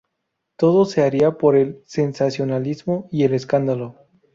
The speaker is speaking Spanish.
Todo se haría por el sensacionalismo y el escándalo.